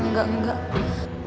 untuk mencari ular